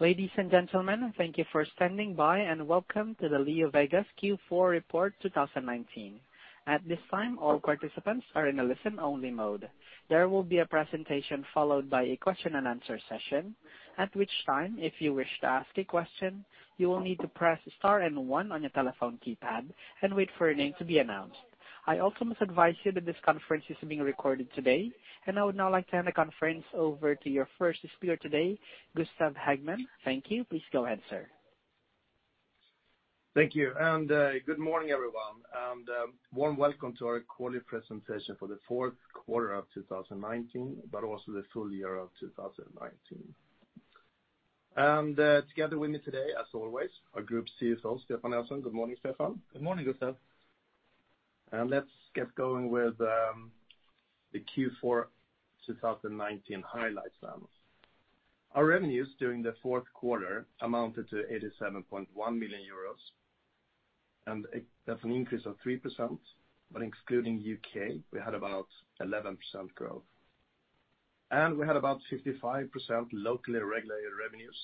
Ladies and gentlemen, thank you for standing by, welcome to the LeoVegas Q4 Report 2019. At this time, all participants are in a listen-only mode. There will be a presentation followed by a question and answer session, at which time, if you wish to ask a question, you will need to press star and one on your telephone keypad and wait for your name to be announced. I also must advise you that this conference is being recorded today, I would now like to hand the conference over to your first speaker today, Gustaf Hagman. Thank you. Please go ahead, sir. Thank you. Good morning, everyone. Warm welcome to our quarterly presentation for the fourth quarter of 2019, but also the full year of 2019. Together with me today, as always, our Group CFO, Stefan Nelson. Good morning, Stefan. Good morning, Gustaf. Let's get going with the Q4 2019 highlights. Our revenues during the fourth quarter amounted to 87.1 million euros, that's an increase of 3%, excluding U.K., we had about 11% growth. We had about 55% locally regulated revenues.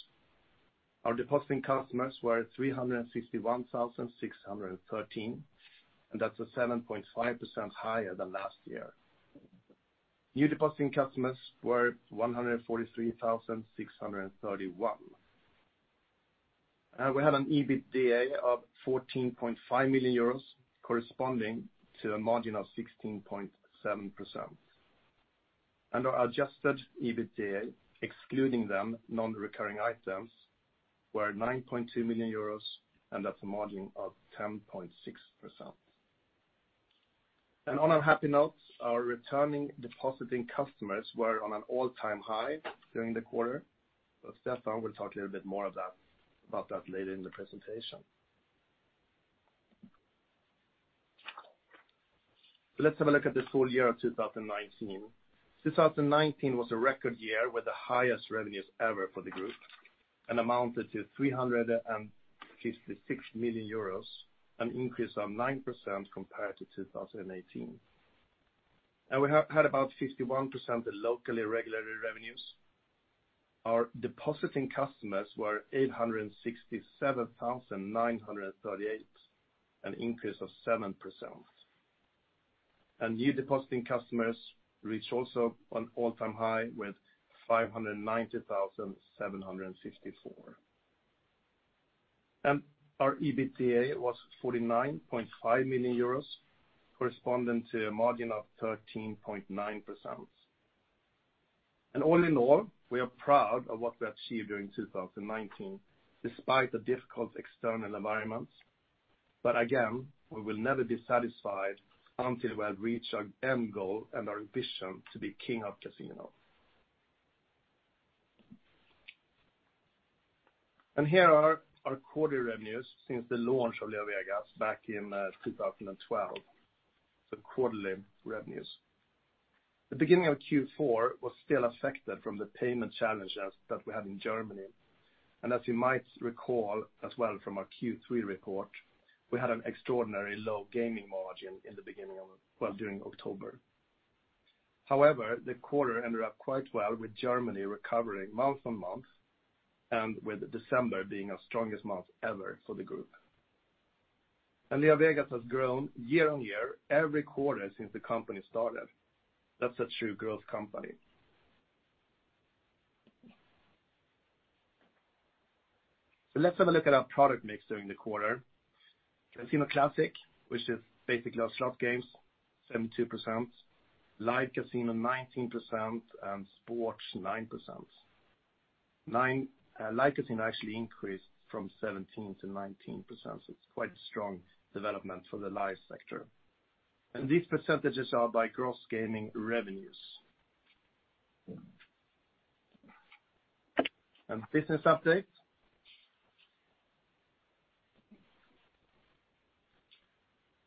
Our depositing customers were 361,613, that's a 7.5% higher than last year. New depositing customers were 143,631. We had an EBITDA of 14.5 million euros, corresponding to a margin of 16.7%. Our adjusted EBITDA, excluding the non-recurring items, was 9.2 million euros, that's a margin of 10.6%. On a happy note, our returning depositing customers were on an all-time high during the quarter. Stefan will talk a little bit more about that later in the presentation. Let's have a look at the full year of 2019. 2019 was a record year with the highest revenues ever for the group, and amounted to 356 million euros, an increase of 9% compared to 2018. We had about 51% locally regulated revenues. Our depositing customers were 867,938, an increase of 7%. New depositing customers reached also an all-time high with 590,754. Our EBITDA was 49.5 million euros, corresponding to a margin of 13.9%. All in all, we are proud of what we achieved during 2019, despite the difficult external environment. Again, we will never be satisfied until we have reached our end goal and our ambition to be king of casinos. Here are our quarterly revenues since the launch of LeoVegas back in 2012, the quarterly revenues. The beginning of Q4 was still affected from the payment challenges that we had in Germany. As you might recall as well from our Q3 report, we had an extraordinarily low gaming margin during October. However, the quarter ended up quite well with Germany recovering month-on-month, and with December being our strongest month ever for the group. LeoVegas has grown year-on-year every quarter since the company started. That's a true growth company. Let's have a look at our product mix during the quarter. Casino Classic, which is basically our slot games, 72%, Live Casino 19%, and Sports 9%. Live Casino actually increased from 17% to 19%, so it's quite a strong development for the Live sector. These percentages are by gross gaming revenues. Business updates.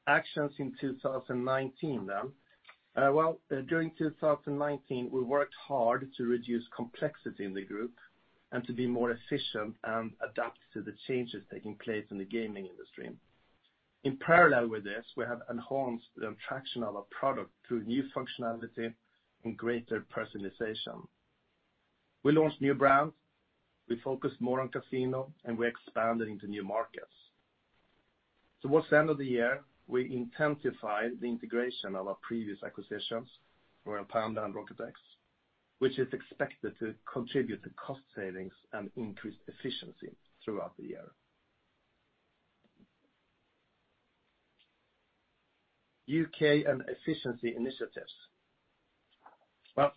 Actions in 2019 then. Well, during 2019, we worked hard to reduce complexity in the group and to be more efficient and adapt to the changes taking place in the gaming industry. In parallel with this, we have enhanced the attraction of our product through new functionality and greater personalization. We launched new brands, we focused more on casino, and we expanded into new markets. Towards the end of the year, we intensified the integration of our previous acquisitions, Royal Panda and Rocket X, which is expected to contribute to cost savings and increased efficiency throughout the year. U.K. and efficiency initiatives. Well,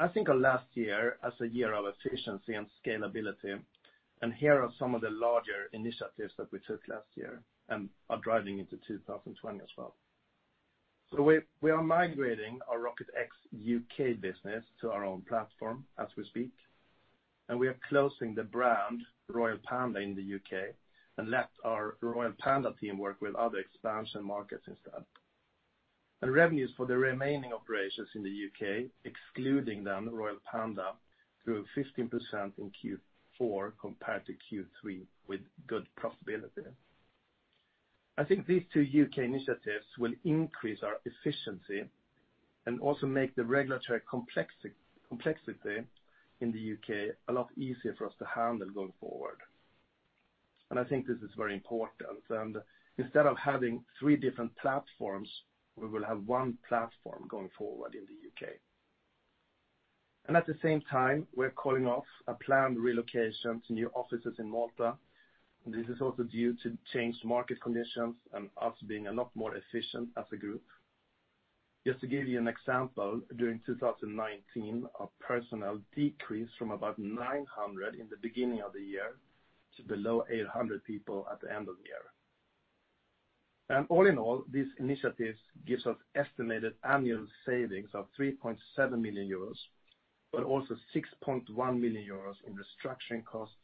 I think of last year as a year of efficiency and scalability. Here are some of the larger initiatives that we took last year and are driving into 2020 as well. We are migrating our Rocket X U.K. business to our own platform as we speak. We are closing the brand Royal Panda in the U.K. and let our Royal Panda team work with other expansion markets instead. Revenues for the remaining operations in the U.K., excluding then Royal Panda, grew 15% in Q4 compared to Q3 with good profitability. I think these two U.K. initiatives will increase our efficiency and also make the regulatory complexity in the U.K. a lot easier for us to handle going forward. I think this is very important. Instead of having three different platforms, we will have one platform going forward in the U.K. At the same time, we're calling off a planned relocation to new offices in Malta, and this is also due to changed market conditions and us being a lot more efficient as a group. Just to give you an example, during 2019, our personnel decreased from about 900 in the beginning of the year to below 800 people at the end of the year. All in all, these initiatives gives us estimated annual savings of 3.7 million euros, but also 6.1 million euros in restructuring costs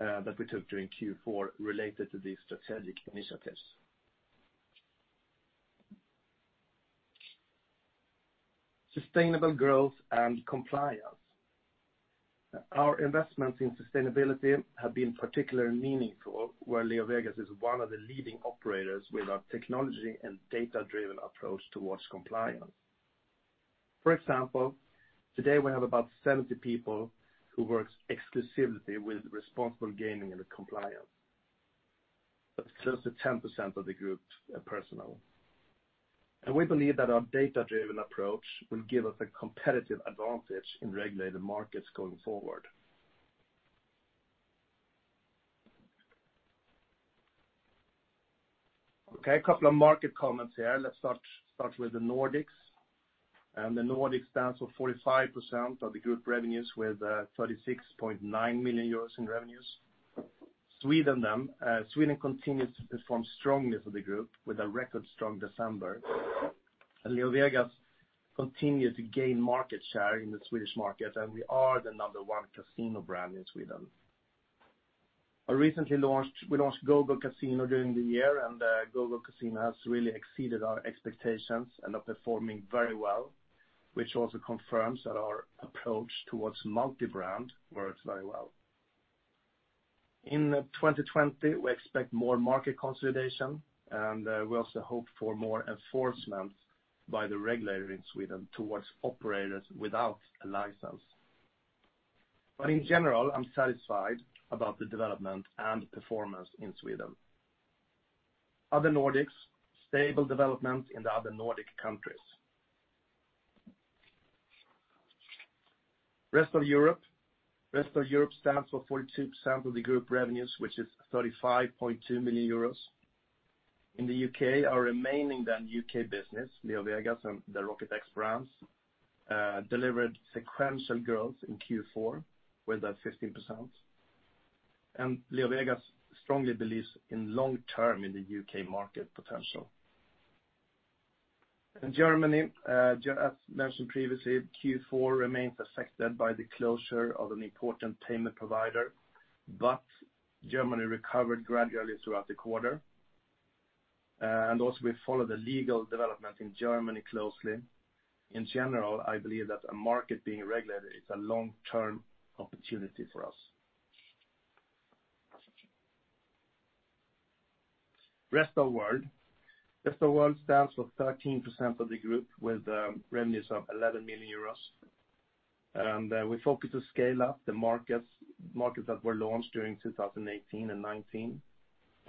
that we took during Q4 related to these strategic initiatives. Sustainable growth and compliance. Our investments in sustainability have been particularly meaningful, where LeoVegas is one of the leading operators with our technology and data-driven approach towards compliance. For example, today we have about 70 people who works exclusively with responsible gaming and compliance. That's close to 10% of the group's personnel. We believe that our data-driven approach will give us a competitive advantage in regulated markets going forward. Okay, a couple of market comments here. Let's start with the Nordics. The Nordics stands for 45% of the group revenues, with 36.9 million euros in revenues. Sweden continues to perform strongly for the group with a record strong December. LeoVegas continues to gain market share in the Swedish market, and we are the number one casino brand in Sweden. We launched GoGoCasino during the year, GoGoCasino has really exceeded our expectations and are performing very well, which also confirms that our approach towards multi-brand works very well. In 2020, we expect more market consolidation, we also hope for more enforcement by the regulator in Sweden towards operators without a license. In general, I'm satisfied about the development and performance in Sweden. Other Nordics, stable development in the other Nordic countries. Rest of Europe. Rest of Europe stands for 42% of the group revenues, which is 35.2 million euros. In the U.K., our remaining then U.K. business, LeoVegas and the Rocket X brands, delivered sequential growth in Q4 with that 15%. LeoVegas strongly believes in long term in the U.K. market potential. In Germany, as mentioned previously, Q4 remains affected by the closure of an important payment provider, but Germany recovered gradually throughout the quarter. Also we follow the legal development in Germany closely. In general, I believe that a market being regulated is a long-term opportunity for us. Rest of World. Rest of World stands for 13% of the group with revenues of 11 million euros. We focus to scale up the markets that were launched during 2018 and 2019.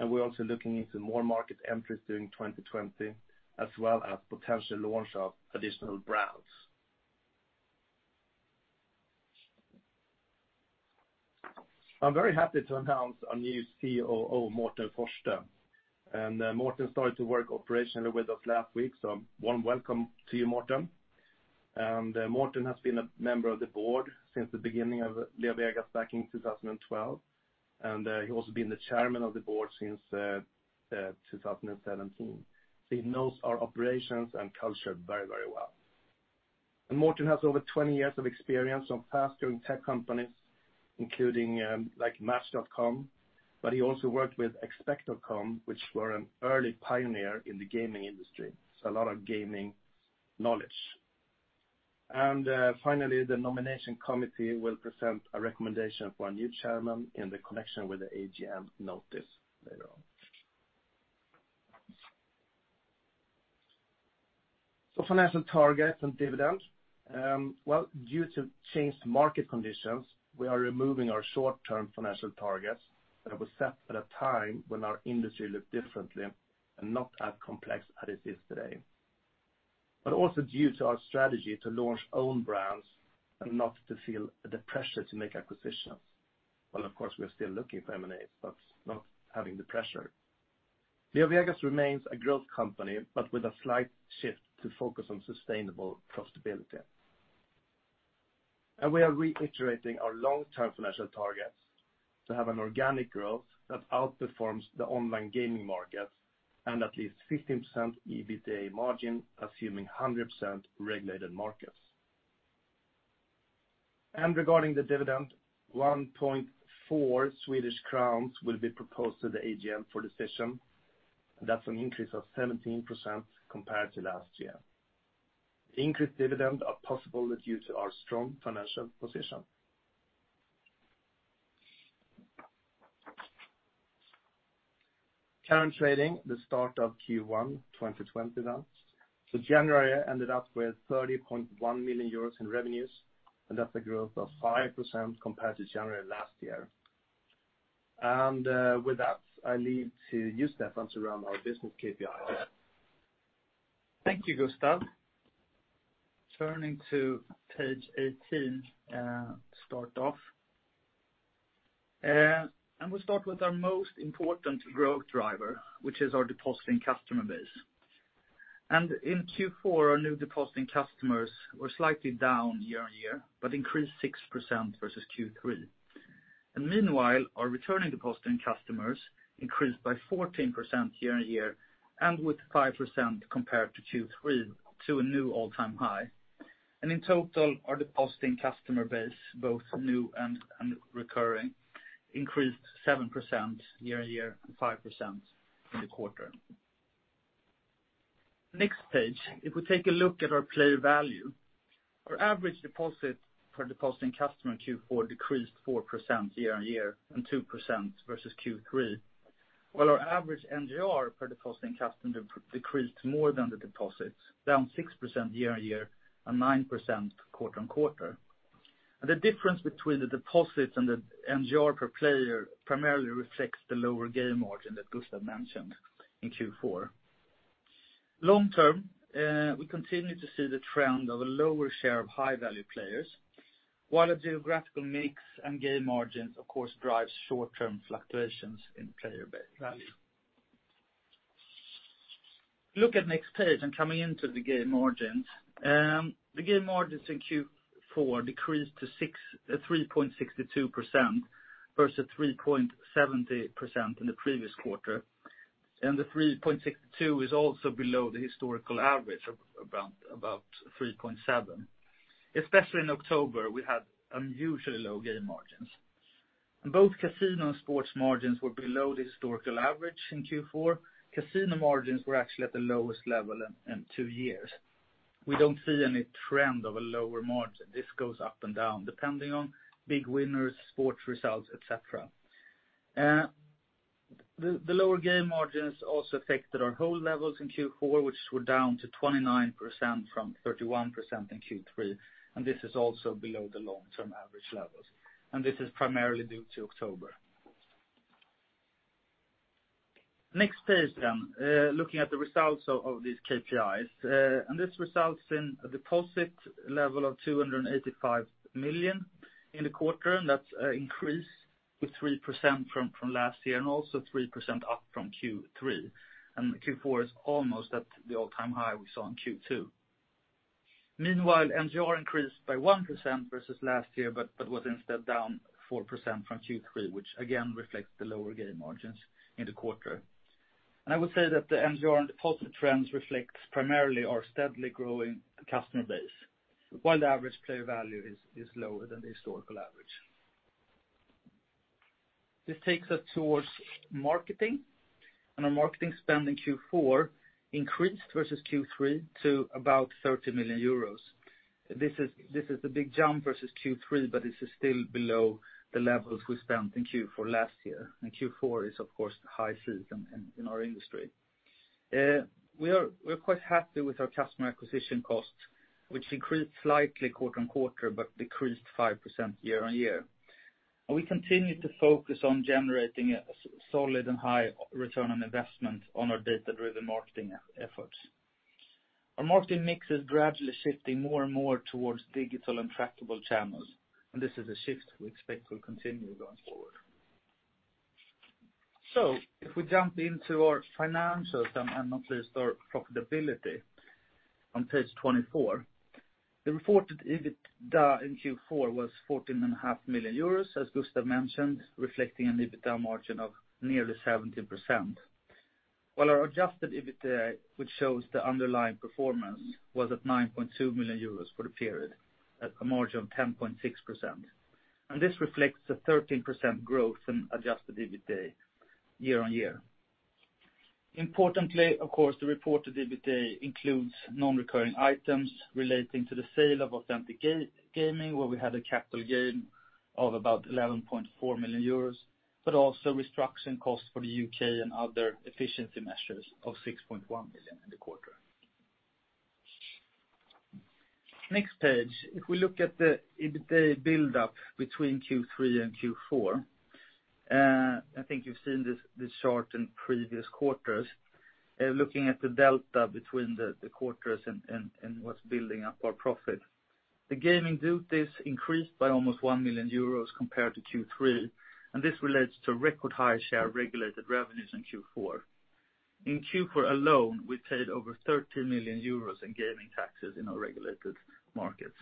We're also looking into more market entries during 2020, as well as potential launch of additional brands. I'm very happy to announce our new COO, Mårten Forste. Mårten started to work operationally with us last week, so warm welcome to you, Mårten. Mårten has been a member of the board since the beginning of LeoVegas back in 2012, and he has been the Chairman of the board since 2017. He knows our operations and culture very well. Mårten has over 20 years of experience on fast-growing tech companies, including like Match.com, but he also worked with Expekt.com, which were an early pioneer in the gaming industry. A lot of gaming knowledge. Finally, the nomination committee will present a recommendation for a new Chairman in the connection with the AGM notice later on. Financial targets and dividends. Well, due to changed market conditions, we are removing our short-term financial targets that were set at a time when our industry looked differently and not as complex as it is today. Also due to our strategy to launch own brands and not to feel the pressure to make acquisitions. Of course, we are still looking for M&As, but not having the pressure. LeoVegas remains a growth company, but with a slight shift to focus on sustainable profitability. We are reiterating our long-term financial targets to have an organic growth that outperforms the online gaming market and at least 15% EBITDA margin, assuming 100% regulated markets. Regarding the dividend, 1.4 Swedish Krona will be proposed to the AGM for decision. That's an increase of 17% compared to last year. Increased dividend are possible due to our strong financial position. Current trading, the start of Q1 2020 now. January ended up with 30.1 million euros in revenues, and that's a growth of 5% compared to January last year. With that, I leave to you, Stefan, to run our business KPI. Thank you, Gustaf. Turning to page 18 to start off. We'll start with our most important growth driver, which is our depositing customer base. In Q4, our new depositing customers were slightly down year-on-year, but increased 6% versus Q3. Meanwhile, our returning depositing customers increased by 14% year-on-year, and with 5% compared to Q3 to a new all-time high. In total, our depositing customer base, both new and recurring, increased 7% year-on-year and 5% in the quarter. Next page, if we take a look at our player value, our average deposit per depositing customer in Q4 decreased 4% year-on-year and 2% versus Q3, while our average MGR per depositing customer decreased more than the deposits, down 6% year-on-year and 9% quarter-on-quarter. The difference between the deposits and the MGR per player primarily reflects the lower game margin that Gustaf mentioned in Q4. Long term, we continue to see the trend of a lower share of high-value players, while the geographical mix and game margins of course drive short-term fluctuations in player value. Look at next page, coming into the game margins. The game margins in Q4 decreased to 3.62% versus 3.70% in the previous quarter. The 3.62% is also below the historical average of about 3.7%. Especially in October, we had unusually low game margins. Both casino and sports margins were below the historical average in Q4. Casino margins were actually at the lowest level in two years. We don't see any trend of a lower margin. This goes up and down depending on big winners, sports results, et cetera. The lower game margins also affected our hold levels in Q4, which were down to 29% from 31% in Q3, and this is also below the long-term average levels. This is primarily due to October. Next page, looking at the results of these KPIs. This results in a deposit level of 285 million in the quarter, and that's an increase with 3% from last year and also 3% up from Q3. Q4 is almost at the all-time high we saw in Q2. Meanwhile, MGR increased by 1% versus last year, but was instead down 4% from Q3, which again reflects the lower game margins in the quarter. I would say that the MGR and deposit trends reflects primarily our steadily growing customer base, while the average player value is lower than the historical average. This takes us towards marketing, and our marketing spend in Q4 increased versus Q3 to about 30 million euros. This is the big jump versus Q3, but this is still below the levels we spent in Q4 last year, and Q4 is of course the high season in our industry. We are quite happy with our customer acquisition cost, which increased slightly quarter-on-quarter but decreased 5% year-on-year. We continue to focus on generating a solid and high return on investment on our data-driven marketing efforts. Our marketing mix is gradually shifting more and more towards digital and trackable channels, and this is a shift we expect will continue going forward. If we jump into our financials and not least our profitability on page 24, the reported EBITDA in Q4 was 14.5 million euros, as Gustaf mentioned, reflecting an EBITDA margin of nearly 70%. While our adjusted EBITDA, which shows the underlying performance, was at 9.2 million euros for the period at a margin of 10.6%. This reflects the 13% growth in adjusted EBITDA year-on-year. Importantly, of course, the reported EBITDA includes non-recurring items relating to the sale of Authentic Gaming, where we had a capital gain of about 11.4 million euros, but also restructuring costs for the U.K. and other efficiency measures of 6.1 million in the quarter. Next page. If we look at the EBITDA buildup between Q3 and Q4, I think you've seen this chart in previous quarters, looking at the delta between the quarters and what's building up our profit. The gaming duties increased by almost 1 million euros compared to Q3. This relates to record high share of regulated revenues in Q4. In Q4 alone, we paid over 13 million euros in gaming taxes in our regulated markets.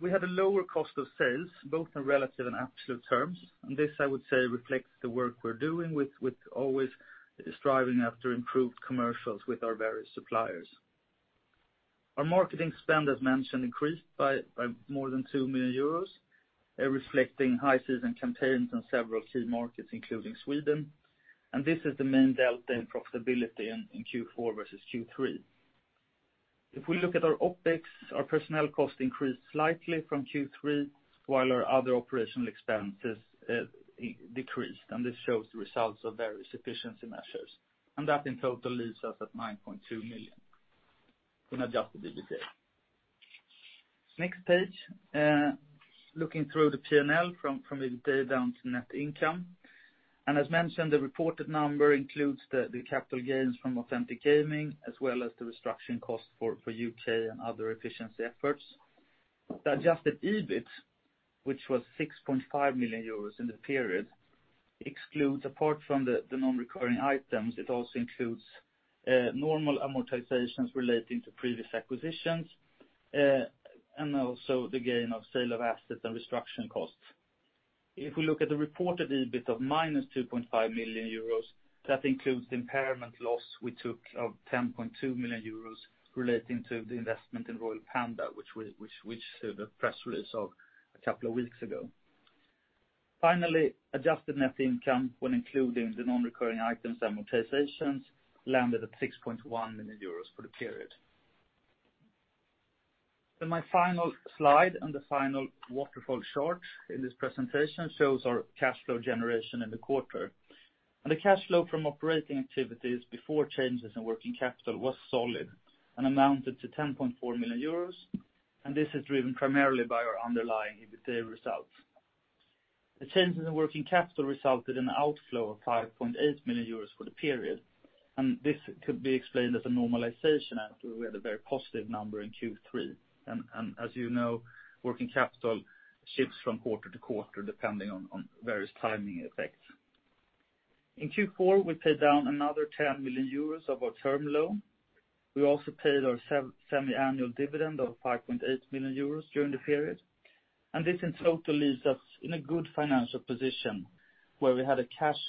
We had a lower cost of sales, both in relative and absolute terms. This, I would say, reflects the work we're doing with always striving after improved commercials with our various suppliers. Our marketing spend, as mentioned, increased by more than 2 million euros, reflecting high season campaigns in several key markets, including Sweden. This is the main delta in profitability in Q4 versus Q3. If we look at our OpEx, our personnel costs increased slightly from Q3, while our other operational expenses decreased. This shows the results of various efficiency measures. That in total leaves us at 9.2 million in adjusted EBITDA. Next page, looking through the P&L from EBITDA down to net income. As mentioned, the reported number includes the capital gains from Authentic Gaming, as well as the restructuring cost for U.K. and other efficiency efforts. The adjusted EBIT, which was 6.5 million euros in the period, excludes apart from the non-recurring items, it also includes normal amortizations relating to previous acquisitions, and also the gain of sale of assets and restructuring costs. If we look at the reported EBIT of minus 2.5 million euros, that includes the impairment loss we took of 10.2 million euros relating to the investment in Royal Panda, which the press release of a couple of weeks ago. Adjusted net income when including the non-recurring items, amortizations landed at 6.1 million euros for the period. My final slide and the final waterfall chart in this presentation shows our cash flow generation in the quarter. The cash flow from operating activities before changes in working capital was solid and amounted to 10.4 million euros, and this is driven primarily by our underlying EBITDA results. The changes in working capital resulted in an outflow of 5.8 million euros for the period. This could be explained as a normalization after we had a very positive number in Q3. As you know, working capital shifts from quarter to quarter, depending on various timing effects. In Q4, we paid down another 10 million euros of our term loan. We also paid our semi-annual dividend of 5.8 million euros during the period. This in total leaves us in a good financial position where we had a cash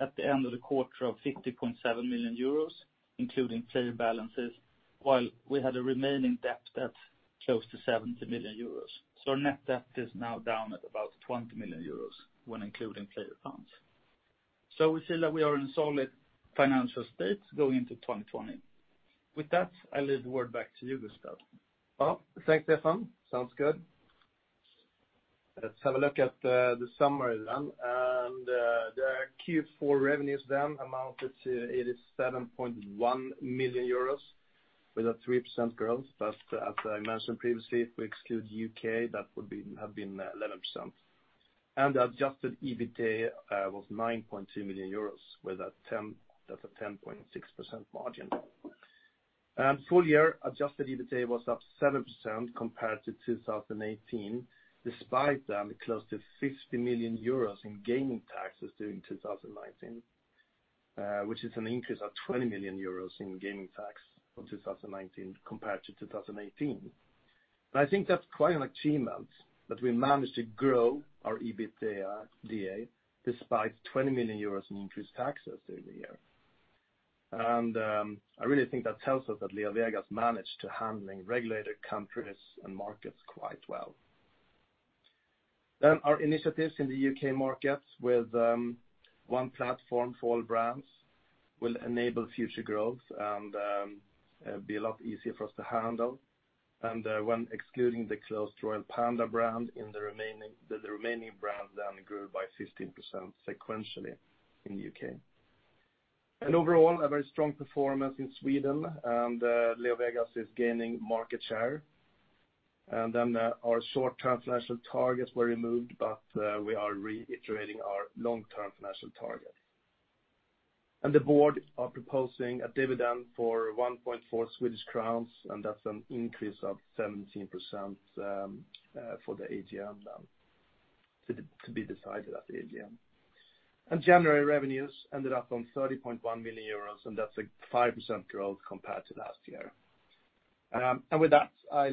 at the end of the quarter of 50.7 million euros, including player balances, while we had a remaining debt that is close to 70 million euros. Our net debt is now down at about 20 million euros when including player funds. We say that we are in solid financial state going into 2020. With that, I leave the word back to you, Gustaf. Well, thanks, Stefan. Sounds good. Let's have a look at the summary then. The Q4 revenues then amounted to 87.1 million euros, with a 3% growth. As I mentioned previously, if we exclude U.K., that would have been 11%. The adjusted EBITDA was 9.2 million euros, with a 10.6% margin. Full year adjusted EBITDA was up 7% compared to 2018, despite them close to 60 million euros in gaming taxes during 2019, which is an increase of 20 million euros in gaming tax for 2019 compared to 2018. I think that's quite an achievement, that we managed to grow our EBITDA despite 20 million euros in increased taxes during the year. I really think that tells us that LeoVegas managed to handling regulated countries and markets quite well. Our initiatives in the U.K. markets with one platform for all brands will enable future growth and be a lot easier for us to handle. When excluding the closed Royal Panda brand, the remaining brands then grew by 15% sequentially in the U.K. Overall, a very strong performance in Sweden, and LeoVegas is gaining market share. Our short-term financial targets were removed, but we are reiterating our long-term financial target. The board are proposing a dividend for 1.4 Swedish Krona, and that's an increase of 17% to be decided at the AGM. January revenues ended up on 30.1 million euros, and that's a 5% growth compared to last year. With that, I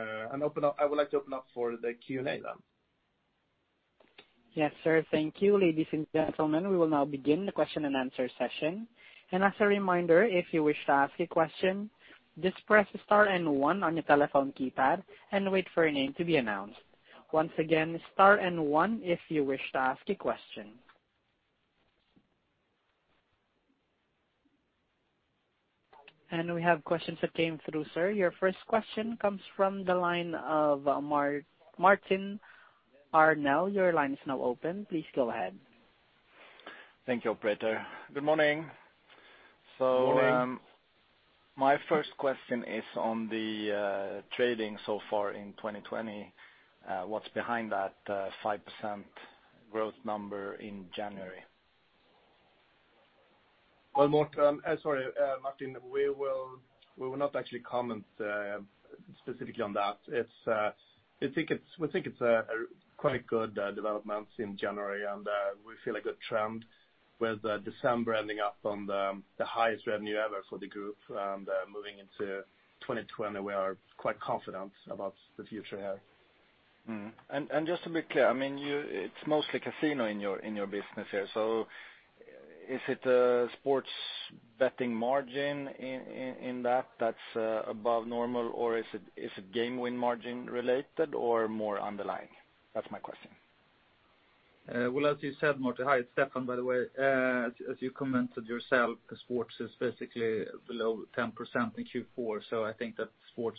would like to open up for the Q&A then. Yes, sir. Thank you. Ladies and gentlemen, we will now begin the question and answer session. As a reminder, if you wish to ask a question, just press star and one on your telephone keypad and wait for your name to be announced. Once again, star and one if you wish to ask a question. We have questions that came through, sir. Your first question comes from the line of Martin Arnell. Your line is now open. Please go ahead. Thank you, operator. Good morning. Morning. My first question is on the trading so far in 2020. What's behind that 5% growth number in January? Well, Martin, we will not actually comment specifically on that. We think it's a quite good developments in January, and we feel a good trend with December ending up on the highest revenue ever for the group. Moving into 2020, we are quite confident about the future here. Just to be clear, it's mostly casino in your business here. Is it a sports betting margin in that that's above normal, or is it game win margin related, or more underlying? That's my question. Well, as you said, Martin. Hi, it's Stefan, by the way. As you commented yourself, the sports is basically below 10% in Q4. I think that sports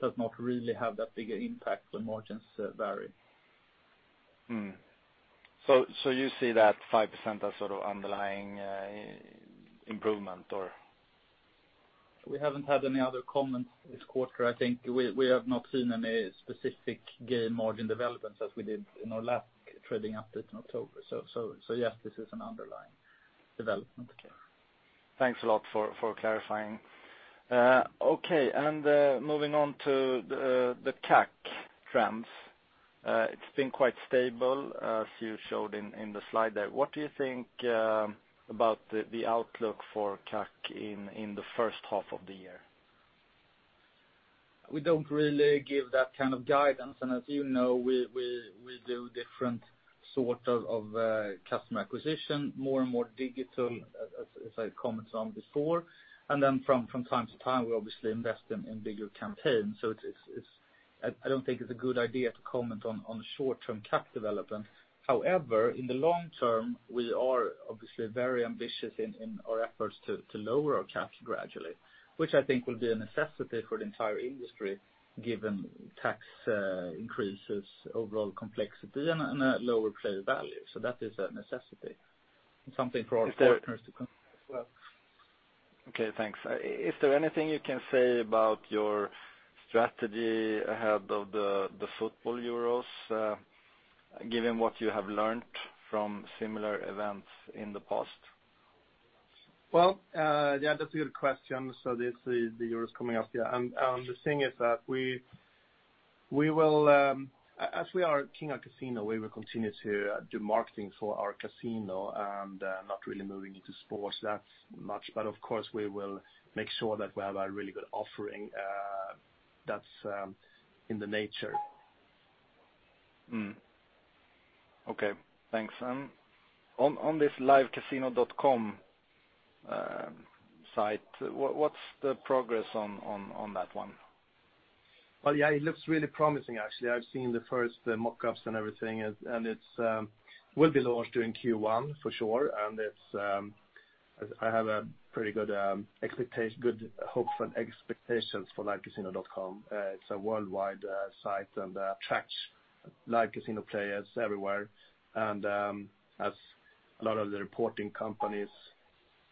does not really have that big an impact on margins very. You see that 5% as sort of underlying improvement, or? We haven't had any other comments this quarter. I think we have not seen any specific game margin developments as we did in our last trading update in October. Yes, this is an underlying development. Thanks a lot for clarifying. Okay, moving on to the CAC trends. It's been quite stable, as you showed in the slide there. What do you think about the outlook for CAC in the first half of the year? We don't really give that kind of guidance. As you know, we do different sort of customer acquisition, more and more digital, as I commented on before. From time to time, we obviously invest in bigger campaigns. I don't think it's a good idea to comment on short-term CAC development. However, in the long term, we are obviously very ambitious in our efforts to lower our CAC gradually, which I think will be a necessity for the entire industry, given tax increases, overall complexity, and a lower play value. That is a necessity and something for our partners to come as well. Okay, thanks. Is there anything you can say about your strategy ahead of the football euros, given what you have learned from similar events in the past? Well, yeah, that's a good question. The euros coming up. Yeah. The thing is that as we are King of Casino, we will continue to do marketing for our casino and not really moving into sports that much. Of course, we will make sure that we have a really good offering that's in the nature. Okay, thanks. On this Livecasino.com site, what's the progress on that one? Well, yeah, it looks really promising, actually. I've seen the first mock-ups and everything, and it will be launched during Q1 for sure. I have pretty good hopes and expectations for LiveCasino.com. It's a worldwide site and attracts LiveCasino.com Players everywhere. As a lot of the reporting companies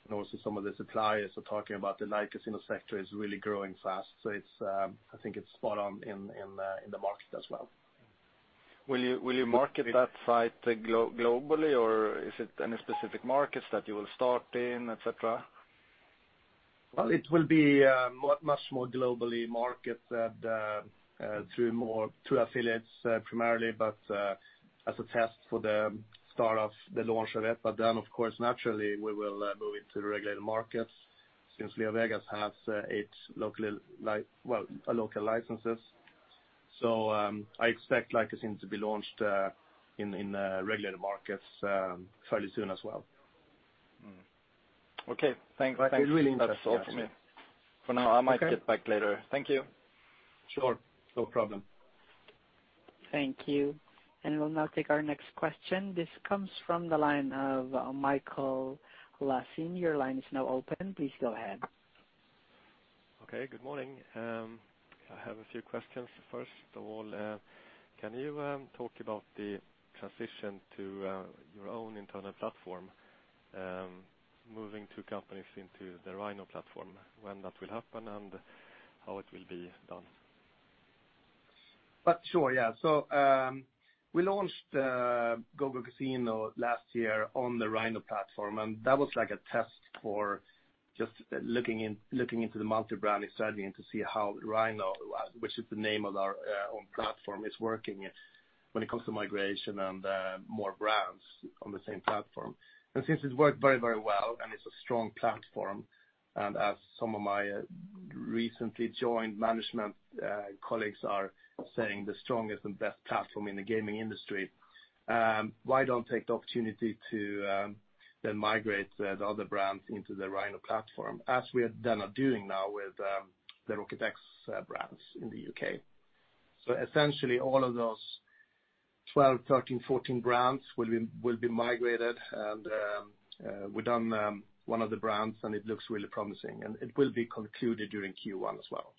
and also some of the suppliers are talking about, the LiveCasino.com Sector is really growing fast. I think it's spot on in the market as well. Will you market that site globally, or is it any specific markets that you will start in, et cetera? Well, it will be much more globally marketed through affiliates primarily, but as a test for the start of the launch of it. Then, of course, naturally, we will move into the regulated markets since LeoVegas has its local licenses. I expect LiveCasino.com To be launched in regulated markets fairly soon as well. Okay, thanks. It's really interesting, actually. That's all from me for now. Okay. I might get back later. Thank you. Sure. No problem. Thank you. We'll now take our next question. This comes from the line of Michael Laszlo. Your line is now open. Please go ahead. Okay, good morning. I have a few questions. First of all, can you talk about the transition to your own internal platform, moving two companies into the Rhino platform, when that will happen, and how it will be done? Sure, yeah. We launched GoGoCasino last year on the Rhino platform, and that was like a test for just looking into the multi-brand and starting to see how Rhino, which is the name of our own platform, is working when it comes to migration and more brands on the same platform. Since it's worked very well and it's a strong platform, and as some of my recently joined management colleagues are saying, the strongest and best platform in the gaming industry, why don't take the opportunity to then migrate the other brands into the Rhino platform, as we are doing now with the Rocket X brands in the U.K.? Essentially, all of those 12, 13, 14 brands will be migrated, and we've done one of the brands, and it looks really promising, and it will be concluded during Q1 as well.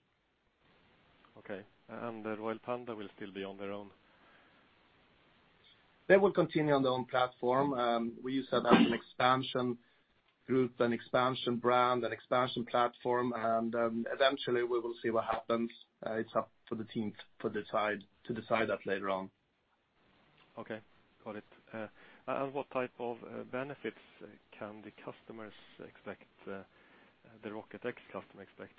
Okay. Royal Panda will still be on their own? They will continue on their own platform. We use that as an expansion group, an expansion brand, an expansion platform, and eventually we will see what happens. It's up to the team to decide that later on. Okay, got it. What type of benefits can the customers expect, the Rocket X customer expect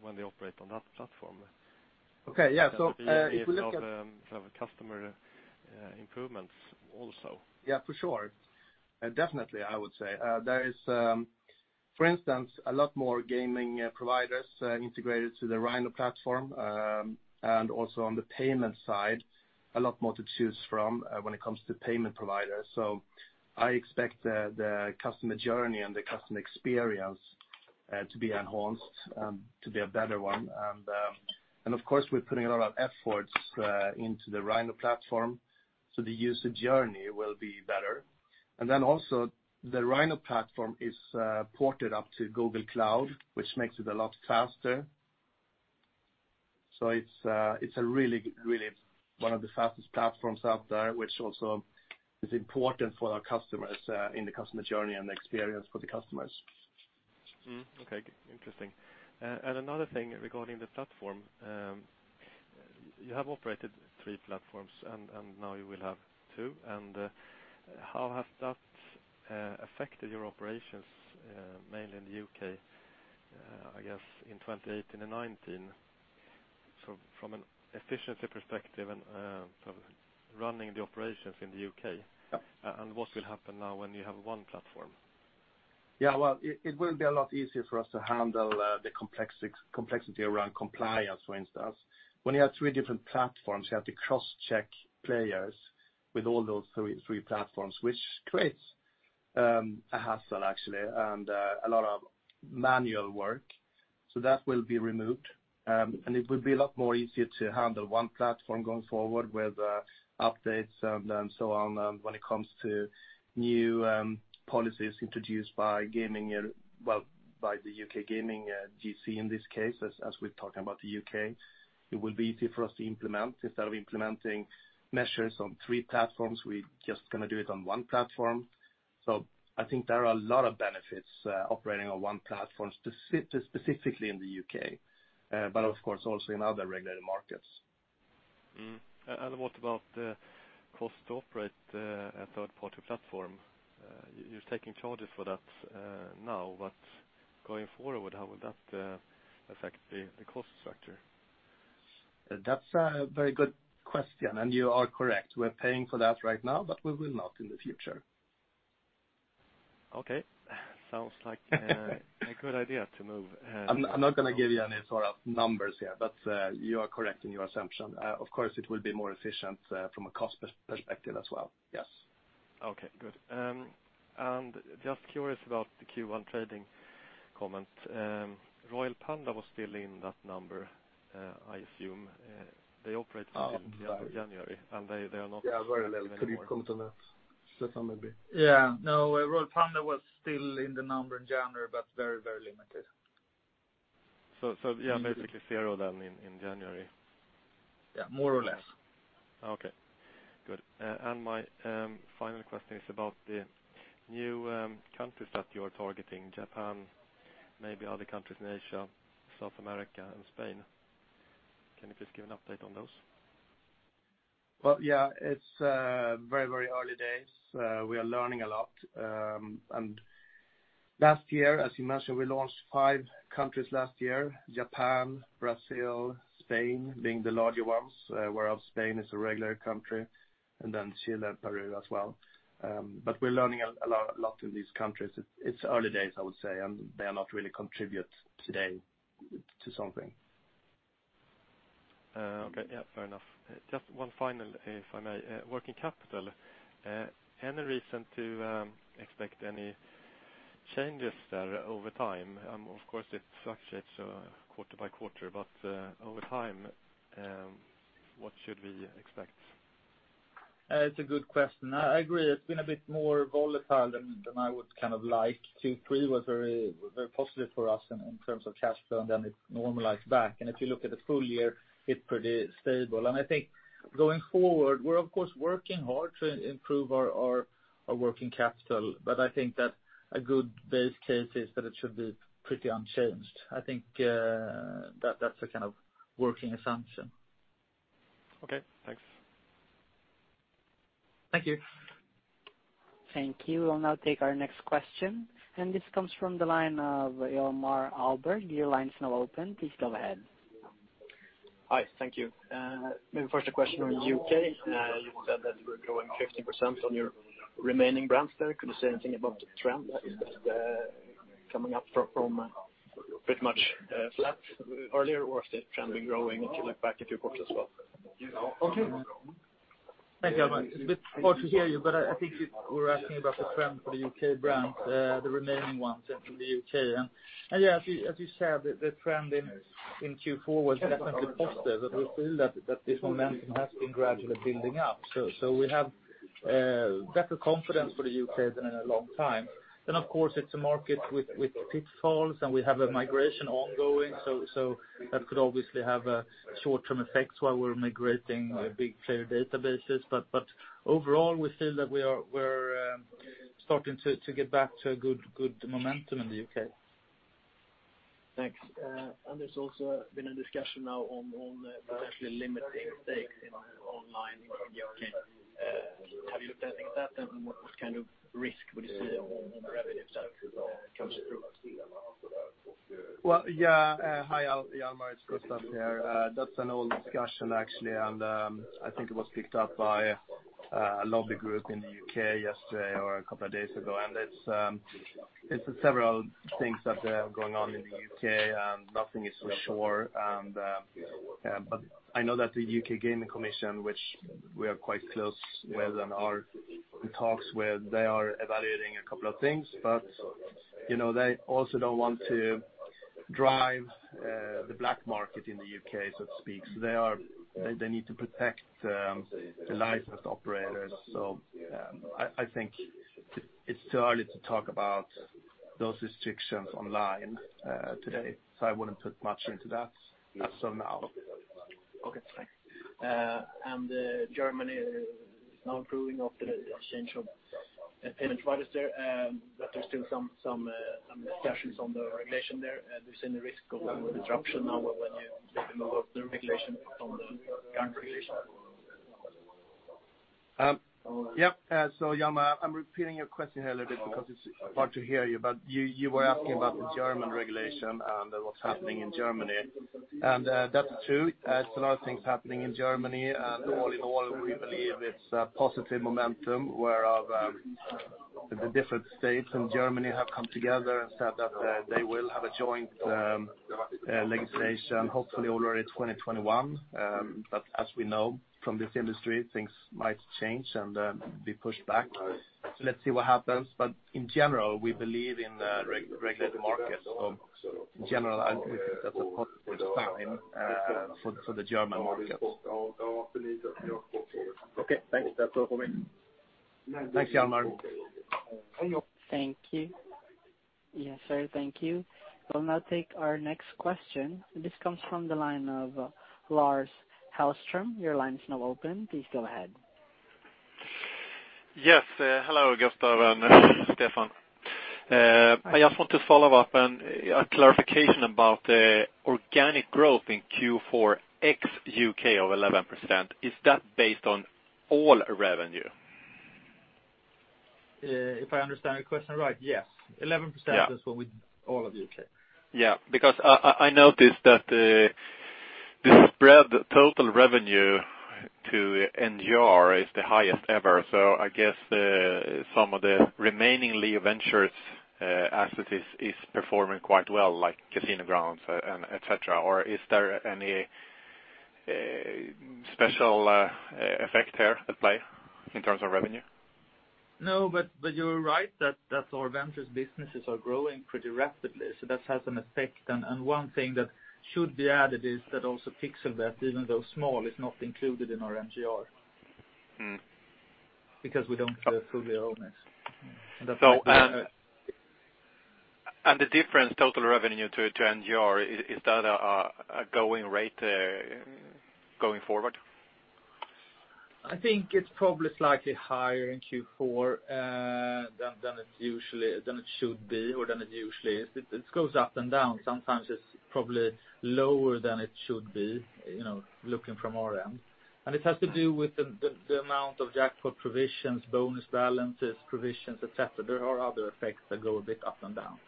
when they operate on that platform? Okay, yeah. If you look at. Kind of customer improvements also. Yeah, for sure. Definitely, I would say. There is, for instance, a lot more gaming providers integrated to the Rhino platform, and also on the payment side, a lot more to choose from when it comes to payment providers. I expect the customer journey and the customer experience To be enhanced and to be a better one. Of course, we're putting a lot of efforts into the Rhino platform so the user journey will be better. Also the Rhino platform is ported up to Google Cloud, which makes it a lot faster. It's really one of the fastest platforms out there, which also is important for our customers in the customer journey and experience for the customers. Okay, interesting. Another thing regarding the platform, you have operated three platforms and now you will have two. How has that affected your operations, mainly in the U.K., I guess in 2018 and 2019 from an efficiency perspective and from running the operations in the U.K.? Yep. What will happen now when you have one platform? Well, it will be a lot easier for us to handle the complexity around compliance, for instance. When you have three different platforms, you have to cross-check players with all those three platforms, which creates a hassle actually, and a lot of manual work. That will be removed. It will be a lot more easier to handle one platform going forward with updates and so on when it comes to new policies introduced by the U.K. Gaming, GC, in this case, as we're talking about the U.K. It will be easy for us to implement. Instead of implementing measures on three platforms, we just going to do it on one platform. I think there are a lot of benefits operating on one platform specifically in the U.K. Of course also in other regulated markets. What about the cost to operate a third-party platform? You are taking charges for that now, but going forward, how would that affect the cost structure? That's a very good question, and you are correct. We're paying for that right now, but we will not in the future. Okay. Sounds like a good idea to move. I'm not going to give you any sort of numbers here, but you are correct in your assumption. Of course, it will be more efficient from a cost perspective as well, yes. Okay, good. Just curious about the Q1 trading comment. Royal Panda was still in that number, I assume. Oh, very. Till January, Yeah, very little. Anymore. Could you comment on that, Stefan, maybe? Yeah. No, Royal Panda was still in the number in January, but very limited. Yeah, basically zero then in January. Yeah, more or less. Okay, good. My final question is about the new countries that you're targeting, Japan, maybe other countries in Asia, South America, and Spain. Can you please give an update on those? Well, yeah, it's very early days. We are learning a lot. Last year, as you mentioned, we launched five countries last year, Japan, Brazil, Spain being the larger ones, whereas Spain is a regular country, and then Chile, Peru as well. We're learning a lot in these countries. It's early days, I would say, and they are not really contribute today to something. Okay. Yeah, fair enough. Just one final, if I may. Working capital, any reason to expect any changes there over time? Of course, it fluctuates quarter by quarter, but over time, what should we expect? It's a good question. I agree, it's been a bit more volatile than I would kind of like. Q3 was very positive for us in terms of cash flow, and then it normalized back. If you look at the full year, it's pretty stable. I think going forward, we're of course working hard to improve our working capital. I think that a good base case is that it should be pretty unchanged. I think that's a kind of working assumption. Okay, thanks. Thank you. Thank you. We'll now take our next question. This comes from the line of Hjalmar Ahlberg. Your line's now open. Please go ahead. Hi, thank you. First a question on the U.K. You said that you were growing 15% on your remaining brands there. Could you say anything about the trend? Is that coming up from pretty much flat earlier, or has the trend been growing if you look back a few quarters as well? Okay. Thank you, Hjalmar. It's a bit hard to hear you, but I think you were asking about the trend for the U.K. brands, the remaining ones in the U.K. Yeah, as you said, the trend in Q4 was definitely positive, and we feel that this momentum has been gradually building up. We have better confidence for the U.K. than in a long time. Of course it's a market with pitfalls, and we have a migration ongoing, that could obviously have a short-term effect while we're migrating big player databases. Overall, we feel that we're starting to get back to a good momentum in the U.K. Thanks. There's also been a discussion now on potentially limiting stakes in online in the U.K. Have you looked anything at that, and what kind of risk would you say on the revenue side comes through? Well, yeah. Hi, Hjalmar. It's Gustaf here. That's an old discussion, actually, and I think it was picked up by a lobby group in the U.K. yesterday or a couple of days ago. It's several things that are going on in the U.K., and nothing is for sure. I know that the U.K. Gaming Commission, which we are quite close with and are in talks with, they are evaluating a couple of things. They also don't want to. Drive the black market in the U.K., so to speak. They need to protect the licensed operators. I think it's too early to talk about those restrictions online today. I wouldn't put much into that as of now. Okay, thanks. Germany is now approving of the exchange of payment providers there, but there's still some discussions on the regulation there. Do you see any risk of disruption now when you take note of the regulation from the current regulation? Yep. Hjalmar, I'm repeating your question here a little bit because it's hard to hear you, but you were asking about the German regulation and what's happening in Germany, and that's true. There's a lot of things happening in Germany. All in all, we believe it's a positive momentum where the different states in Germany have come together and said that they will have a joint legislation, hopefully already 2021. As we know from this industry, things might change and be pushed back. Let's see what happens. In general, we believe in a regulated market. In general, that's a positive sign for the German market. Okay, thanks. That's all for me. Thanks, Hjalmar. Thank you. Yes, sir. Thank you. We'll now take our next question. This comes from the line of Lars-Ola Hellström. Your line is now open. Please go ahead. Yes. Hello, Gustaf and Stefan. Hi. I just want to follow up on a clarification about the organic growth in Q4 ex-U.K. of 11%. Is that based on all revenue? If I understand your question right, yes. 11%. Yeah. Is with all of U.K. Yeah, I noticed that the spread total revenue to NGR is the highest ever. I guess some of the remaining LeoVentures asset is performing quite well, like CasinoGrounds, et cetera. Is there any special effect here at play in terms of revenue? You're right that our ventures businesses are growing pretty rapidly, so that has an effect. One thing that should be added is that also Pixel.bet, even though small, is not included in our NGR. We don't fully own it. The difference total revenue to NGR, is that a going rate going forward? I think it's probably slightly higher in Q4 than it should be or than it usually is. It goes up and down. Sometimes it's probably lower than it should be looking from our end. It has to do with the amount of jackpot provisions, bonus balances, provisions, et cetera. There are other effects that go a bit up and down.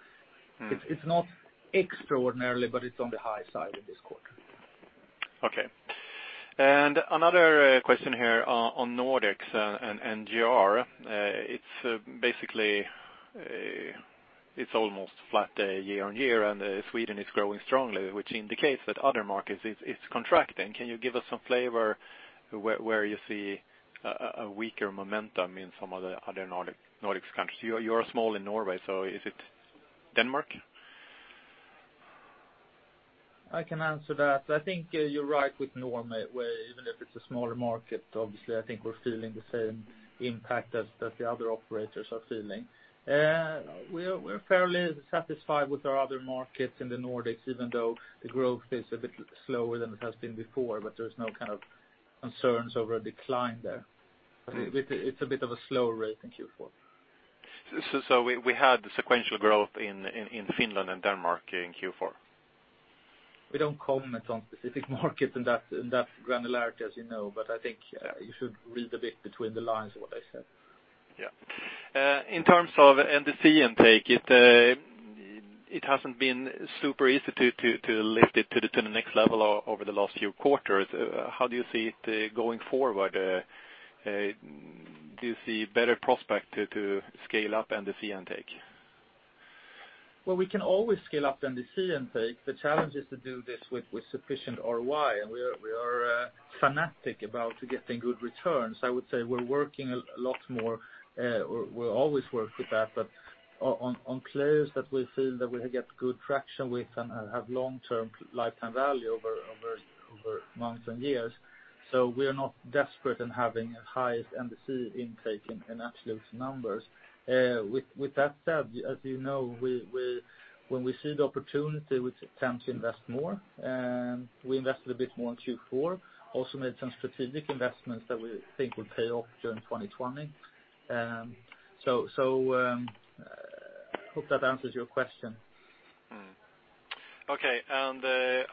It's not extraordinarily, but it's on the high side this quarter. Okay. Another question here on Nordics and NGR. It's almost flat year-on-year, and Sweden is growing strongly, which indicates that other markets it's contracting. Can you give us some flavor where you see a weaker momentum in some of the other Nordics countries? You are small in Norway, so is it Denmark? I can answer that. I think you're right with Norway, even if it's a smaller market. Obviously, I think we're feeling the same impact as the other operators are feeling. We're fairly satisfied with our other markets in the Nordics, even though the growth is a bit slower than it has been before, but there's no kind of concerns over a decline there. It's a bit of a slower rate in Q4. We had sequential growth in Finland and Denmark in Q4? We don't comment on specific markets in that granularity, as you know. I think you should read a bit between the lines of what I said. Yeah. In terms of NDC intake, it hasn't been super easy to lift it to the next level over the last few quarters. How do you see it going forward? Do you see better prospect to scale up NDC intake? Well, we can always scale up NDC intake. The challenge is to do this with sufficient ROI, and we are fanatic about getting good returns. I would say we're working a lot more. We always worked with that, but on players that we feel that we get good traction with and have long-term lifetime value over months and years. We are not desperate in having a highest NDC intake in absolute numbers. With that said, as you know, when we see the opportunity, we tend to invest more. We invested a bit more in Q4, also made some strategic investments that we think will pay off during 2020. I hope that answers your question. Okay.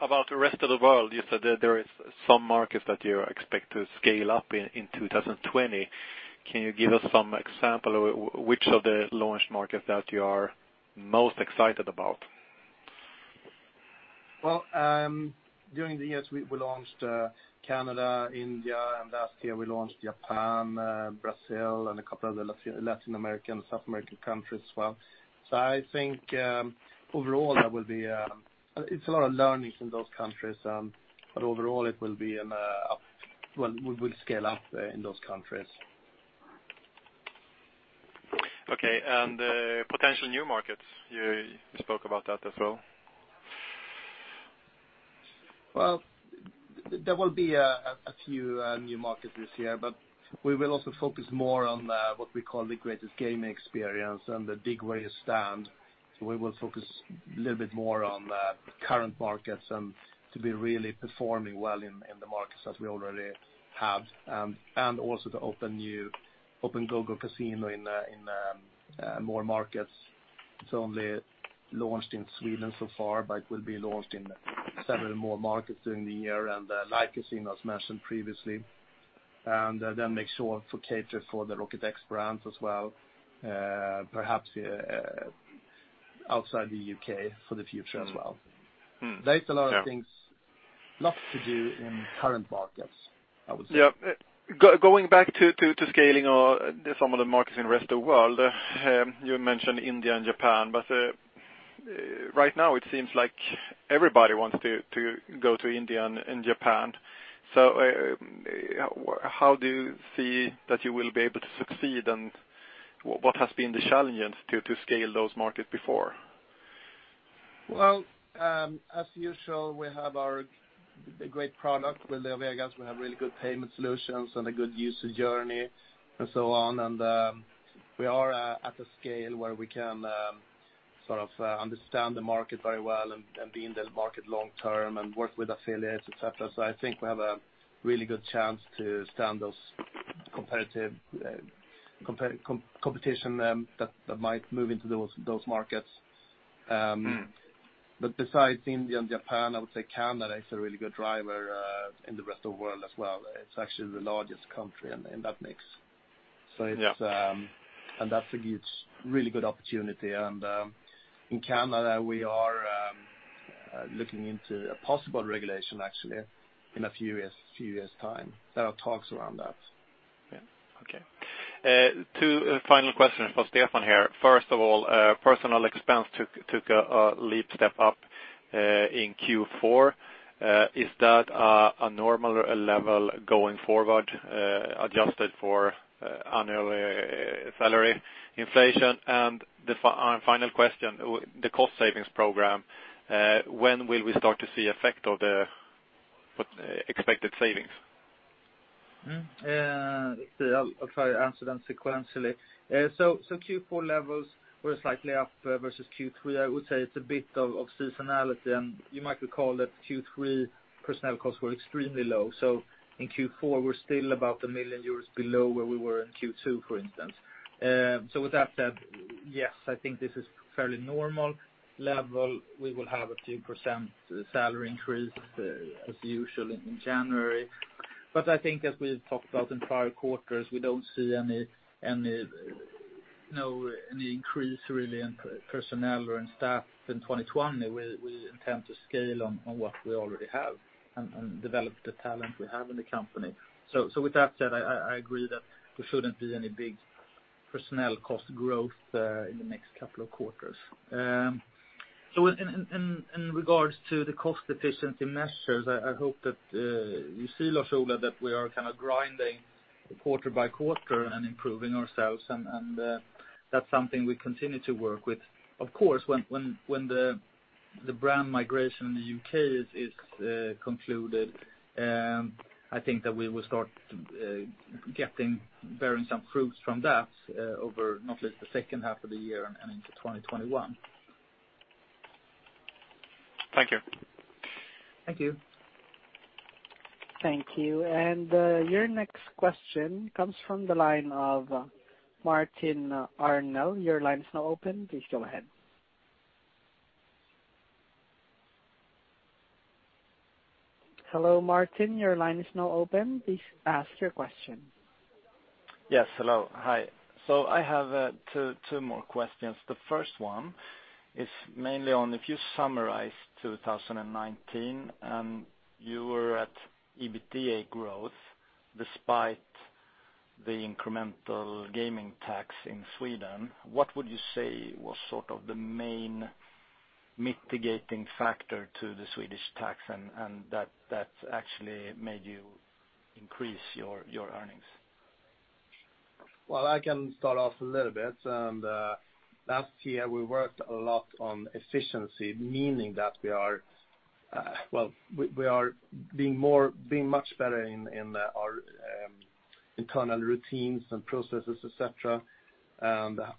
About the rest of the world, you said that there is some markets that you expect to scale up in 2020. Can you give us some example of which of the launch markets that you are most excited about? During the years, we launched Canada, India, and last year we launched Japan, Brazil, and a couple other Latin American, South American countries as well. I think overall it's a lot of learnings in those countries. Overall, we will scale up in those countries. Okay. Potential new markets, you spoke about that as well. Well, there will be a few new markets this year, but we will also focus more on what we call the greatest gaming experience and the big way stand. We will focus a little bit more on the current markets and to be really performing well in the markets that we already have, and also to open GoGoCasino in more markets. It's only launched in Sweden so far, but it will be launched in several more markets during the year and LiveCasino, as mentioned previously. Make sure to cater for the Rocket X brand as well, perhaps outside the U.K. for the future as well. Mm-hmm. Yeah. There is a lot of things, lots to do in current markets, I would say. Going back to scaling some of the markets in the rest of world, you mentioned India and Japan, but right now it seems like everybody wants to go to India and Japan. How do you see that you will be able to succeed? What has been the challenge to scale those markets before? Well, as usual, we have our great product with LeoVegas. We have really good payment solutions and a good user journey, and so on. We are at a scale where we can understand the market very well and be in the market long term and work with affiliates, et cetera. I think we have a really good chance to stand those competition that might move into those markets. Besides India and Japan, I would say Canada is a really good driver in the rest of the world as well. It's actually the largest country in that mix. Yeah. That gives really good opportunity. In Canada, we are looking into a possible regulation, actually, in a few years time. There are talks around that. Two final questions for Stefan here. Personal expense took a leap step up in Q4. Is that a normal level going forward, adjusted for annual salary inflation? Final question, the cost savings program, when will we start to see effect of the expected savings? I'll try to answer them sequentially. Q4 levels were slightly up versus Q3. I would say it's a bit of seasonality, and you might recall that Q3 personnel costs were extremely low. In Q4, we're still about 1 million euros below where we were in Q2, for instance. With that said, yes, I think this is fairly normal level. We will have a few % salary increase as usual in January. I think as we've talked about in prior quarters, we don't see any increase really in personnel or in staff in 2021. We intend to scale on what we already have and develop the talent we have in the company. With that said, I agree that there shouldn't be any big personnel cost growth in the next couple of quarters. In regards to the cost efficiency measures, I hope that you see, Lars-Ola, that we are kind of grinding quarter by quarter and improving ourselves, and that's something we continue to work with. Of course, when the brand migration in the U.K. is concluded, I think that we will start bearing some fruits from that over, not least the second half of the year and into 2021. Thank you. Thank you. Thank you. Your next question comes from the line of Martin Arnell. Your line is now open. Please go ahead. Hello, Martin. Your line is now open. Please ask your question. Yes. Hello. Hi. I have two more questions. The first one is mainly on, if you summarize 2019, and you were at EBITDA growth despite the incremental gaming tax in Sweden, what would you say was sort of the main mitigating factor to the Swedish tax and that actually made you increase your earnings? Well, I can start off a little bit. Last year, we worked a lot on efficiency, meaning that we are being much better in our internal routines and processes, et cetera.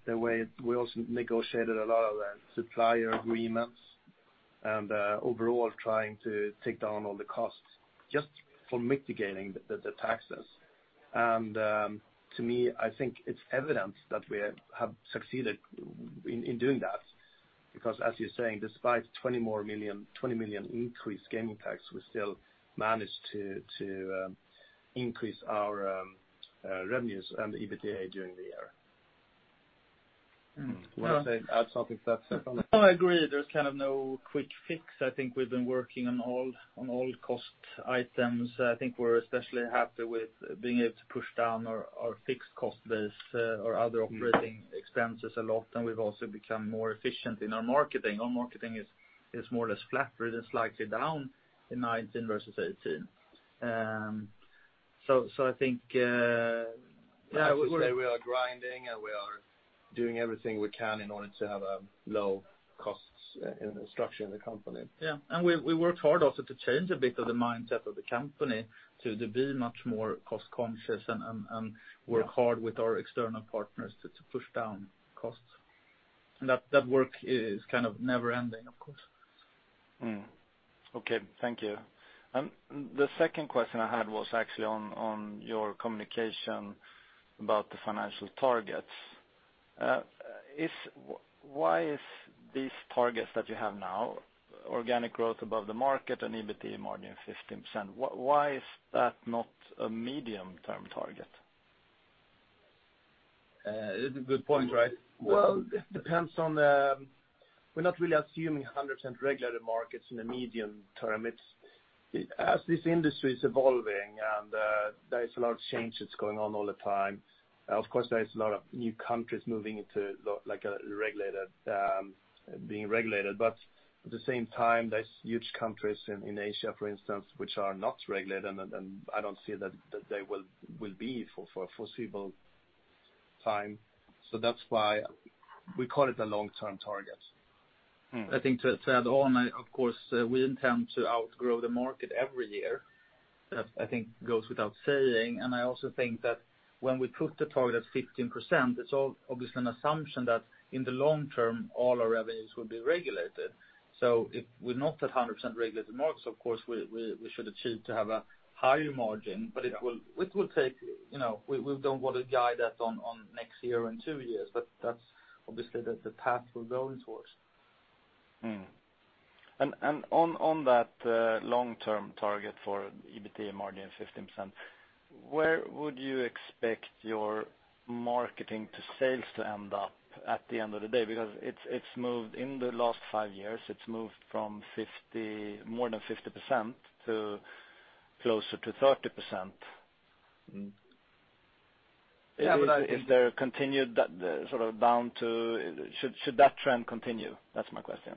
The way we also negotiated a lot of the supplier agreements, and overall trying to take down all the costs just for mitigating the taxes. To me, I think it's evident that we have succeeded in doing that because as you're saying, despite 20 million increased gaming tax, we still managed to increase our revenues and EBITDA during the year. Do you want to add something to that, Stefan? I agree. There's kind of no quick fix. I think we've been working on all cost items. I think we're especially happy with being able to push down our fixed cost base, our other operating expenses a lot, and we've also become more efficient in our marketing. Our marketing is more or less flat, rather slightly down in 2019 versus 2018. I would say we are grinding, and we are doing everything we can in order to have low costs structure in the company. Yeah. We worked hard also to change a bit of the mindset of the company to be much more cost-conscious and work hard with our external partners to push down costs. That work is kind of never-ending, of course. Okay, thank you. The second question I had was actually on your communication about the financial targets. Why is these targets that you have now, organic growth above the market and EBITDA margin 15%? Why is that not a medium-term target? It's a good point, right? Well, we're not really assuming 100% regulated markets in the medium term. This industry is evolving, there is a lot of changes going on all the time. Of course, there is a lot of new countries moving into being regulated, at the same time, there's huge countries in Asia, for instance, which are not regulated, I don't see that they will be for foreseeable time. That's why we call it a long-term target. I think to add on, of course, we intend to outgrow the market every year. That I think goes without saying. I also think that when we put the target at 15%, it's all obviously an assumption that in the long term, all our revenues will be regulated. If we're not at 100% regulated markets, of course, we should achieve to have a higher margin. We don't want to guide that on next year and two years, but that's obviously the path we're going towards. On that long-term target for EBITDA margin 15%, where would you expect your marketing to sales to end up at the end of the day? Because it's moved in the last five years, it's moved from more than 50% to closer to 30%. Yeah. Should that trend continue? That's my question.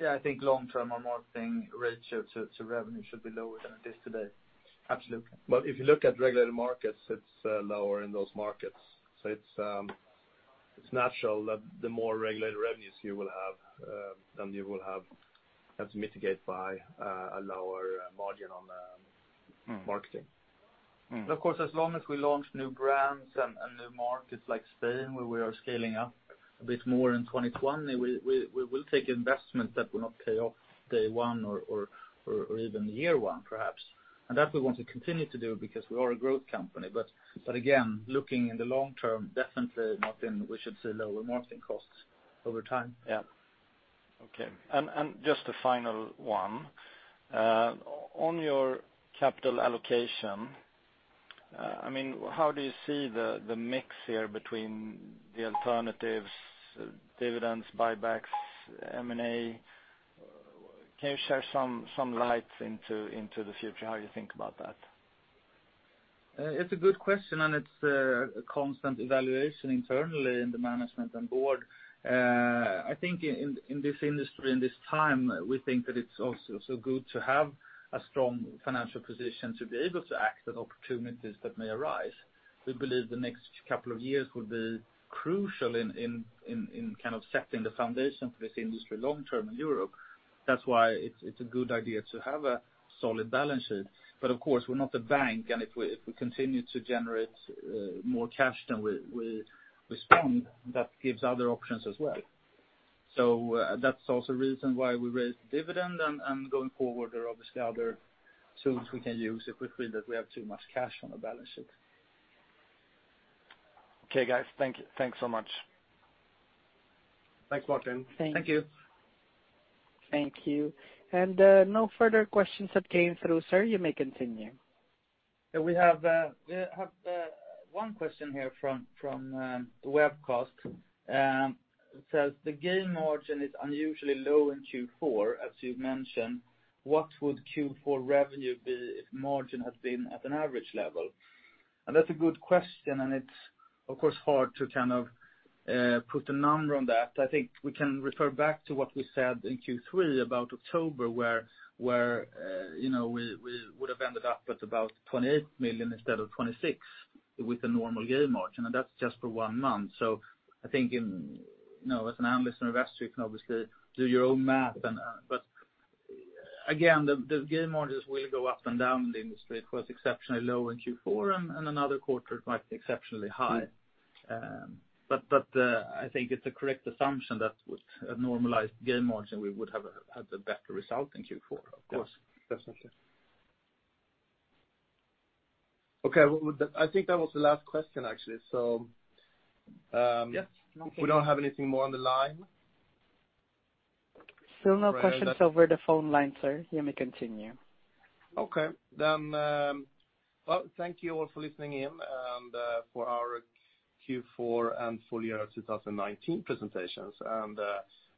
Yeah, I think long term, our marketing ratio to revenue should be lower than it is today. Absolutely. If you look at regulated markets, it's lower in those markets. It's natural that the more regulated revenues you will have, then you will have to mitigate by a lower margin on the marketing. Of course, as long as we launch new brands and new markets like Spain, where we are scaling up a bit more in 2021, we will take investment that will not pay off day one or even year one, perhaps. That we want to continue to do because we are a growth company. Again, looking in the long term, definitely we should see lower marketing costs over time. Yeah. Okay. Just a final one. On your capital allocation, how do you see the mix here between the alternatives, dividends, buybacks, M&A? Can you share some light into the future, how you think about that? It's a good question, and it's a constant evaluation internally in the management and board. I think in this industry, in this time, we think that it's also good to have a strong financial position to be able to act on opportunities that may arise. We believe the next couple of years will be crucial in setting the foundation for this industry long term in Europe. That's why it's a good idea to have a solid balance sheet. Of course, we're not a bank, and if we continue to generate more cash than we spend, that gives other options as well. That's also a reason why we raised the dividend, and going forward, there are obviously other tools we can use if we feel that we have too much cash on the balance sheet. Okay, guys. Thanks so much. Thanks, Martin. Thank you. Thank you. No further questions have came through, sir. You may continue. We have one question here from the webcast. It says, "The game margin is unusually low in Q4, as you've mentioned. What would Q4 revenue be if margin had been at an average level?" That's a good question, and it's, of course, hard to put a number on that. I think we can refer back to what we said in Q3 about October, where we would have ended up at about 28 million instead of 26 with a normal game margin, and that's just for one month. I think as an analyst or investor, you can obviously do your own math. Again, the game margins will go up and down in the industry. Of course, exceptionally low in Q4, another quarter it might be exceptionally high. I think it's a correct assumption that with a normalized game margin, we would have had a better result in Q4, of course. Definitely. Okay. I think that was the last question, actually. Yeah. If we don't have anything more on the line. Still no questions over the phone line, sir. You may continue. Well, thank you all for listening in and for our Q4 and full year 2019 presentations.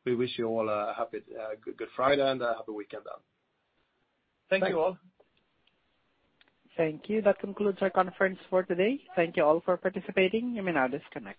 We wish you all a happy Good Friday and a happy weekend then. Thank you all. Thank you. That concludes our conference for today. Thank you all for participating. You may now disconnect.